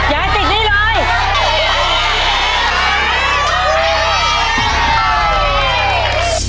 ยายสิทธิ์นี้เลย